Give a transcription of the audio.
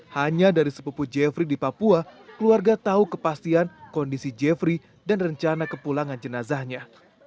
hanya dari sepupu jeffrey di papua keluarga tahu kepastian kondisi jeffrey dan rencana kepulangan jenazahnya